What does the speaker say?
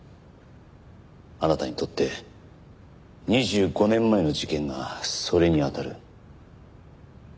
あなたにとって２５年前の事件がそれに当たる。